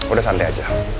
udah santai aja